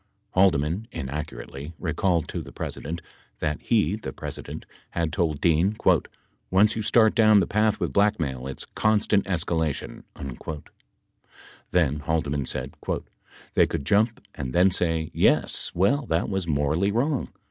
Haldeman (inaccurately) recalled to the President that he (the President) had told Dean, "Once you start down the path with blackmail it's constant escalation." Then Haldeman said: "They could jump and then say, 'Yes, well that was morally wrong.